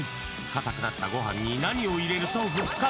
硬くなったご飯に何を入れると復活？